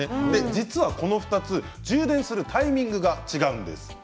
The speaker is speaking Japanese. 実は、この２つ、充電するタイミングが違うんです。